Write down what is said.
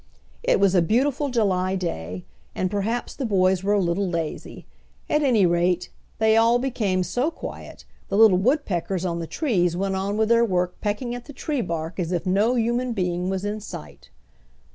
It was a beautiful July day, and perhaps the boys were a little lazy. At any rate, they all became so quiet the little woodpeckers on the trees went on with their work pecking at the tree bark as if no human being was in sight.